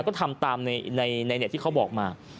ก็ทำตามในเน็ตที่เขาบอกมา